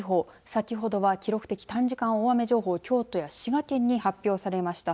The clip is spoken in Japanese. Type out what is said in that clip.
先ほどは記録的短時間大雨情報京都や滋賀県に発表されました。